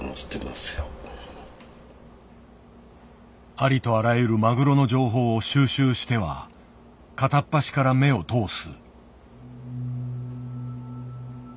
ありとあらゆるマグロの情報を収集しては片っ端から目を通す。